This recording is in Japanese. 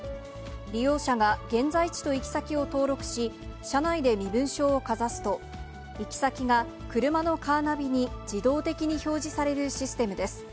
利用者が現在地と行き先を登録し、車内で身分証をかざすと、行き先が車のカーナビに自動的に表示されるシステムです。